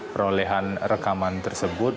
perolehan rekaman tersebut